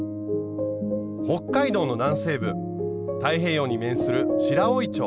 北海道の南西部太平洋に面する白老町。